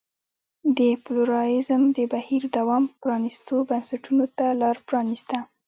د پلورالېزم د بهیر دوام پرانیستو بنسټونو ته لار پرانېسته.